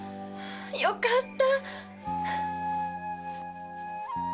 よかった！